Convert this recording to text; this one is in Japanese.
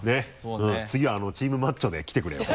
次はチームマッチョで来てくれよ